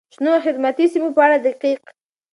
شنو او خدماتي سیمو په اړه دقیق،